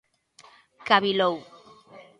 Cavilou.